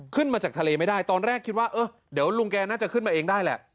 ขึ้นมาจากทะเลไม่ได้ตอนแรกคิดว่าเออเดี๋ยวลุงแกน่าจะขึ้นมาเองได้แหละ